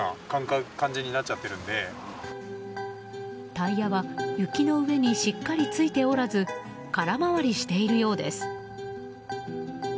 タイヤは雪の上にしっかりついておらず空回りしているようです。